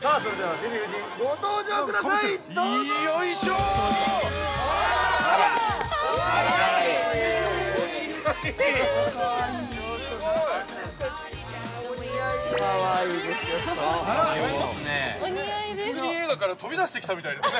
ディズニー映画から飛び出してきたみたいですね。